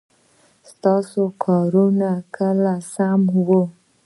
ستاسو کارونه کله سم وه ؟